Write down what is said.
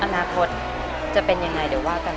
อนาคตจะเป็นยังไงเดี๋ยวว่ากัน